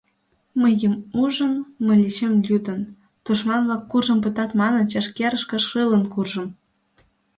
Мыйым ужын, мылечем лӱдын, тушман-влак куржын пытат манын, чашкерышке шылын куржым.